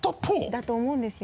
だと思うんですよね。